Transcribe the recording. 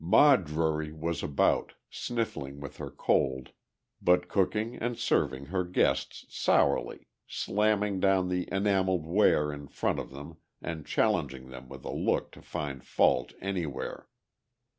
Ma Drury was about, sniffling with her cold, but cooking and serving her guests sourly, slamming down the enamelled ware in front of them and challenging them with a look to find fault anywhere.